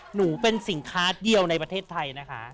หนูเป็นสินค้าเดียวในประเทศไทยนะคะ